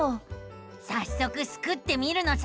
さっそくスクってみるのさ！